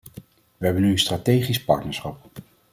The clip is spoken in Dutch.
We hebben nu een strategisch partnerschap.